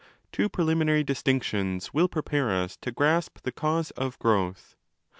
Two preliminary distinctions will prepare us to grasp the cause of growth.